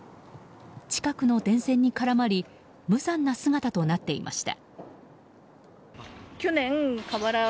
近くの電線に絡まり無残な姿となっていました。